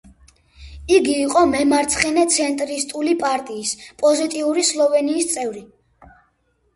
იგი იყო მემარცხენე-ცენტრისტული პარტიის პოზიტიური სლოვენიის წევრი.